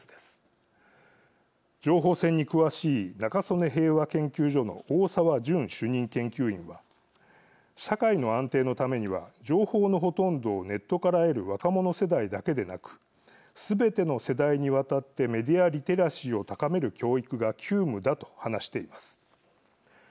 情報戦に詳しい中曽根平和研究所の大澤淳主任研究員は社会の安定のためには情報のほとんどをネットから得る若者世代だけでなくすべての世代にわたってメディアリテラシーを高める教育が急務だと話しています。